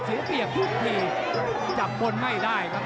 เสียเปรียบทุกทีจับบนไม่ได้ครับ